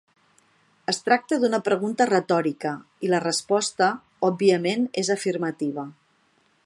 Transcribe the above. Es tracta d'una pregunta retòrica, i la resposta òbviament és afirmativa.